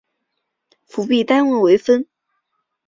辅币单位为分。